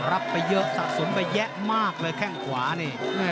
รับไปเยือกสักศุนย์ไปแยะมากเลยแข่งขวานี่